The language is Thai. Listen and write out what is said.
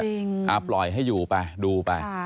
จริงอัพลอยให้อยู่ไปดูไป